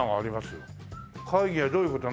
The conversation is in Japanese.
会議はどういう事やんの？